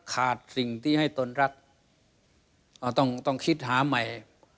ขาดสิ่งที่ให้ตนรักต้องคิดหาใหม่